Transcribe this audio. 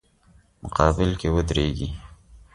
مقابل کې ودریږي.